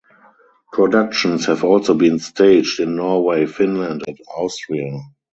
Productions have also been staged in Norway Finland and Austria.